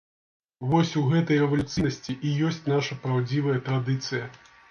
Вось у гэтай рэвалюцыйнасці і ёсць наша праўдзівая традыцыя.